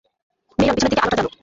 Myron, পেছনের দিকে আলোটা জ্বালো!